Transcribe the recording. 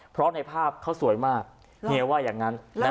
เพราะในภาพเขาสวยมากเฮียว่าอย่างนั้น